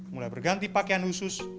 mulai berganti pakaian khusus